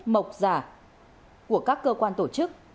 mộc giả của các cơ quan tổ chức